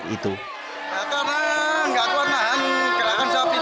karena nggak kuat menahan gerakan sapi tadi